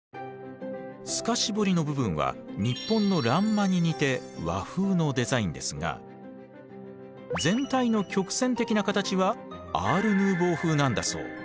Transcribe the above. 透かし彫りの部分は日本の欄間に似て和風のデザインですが全体の曲線的な形はアール・ヌーヴォー風なんだそう。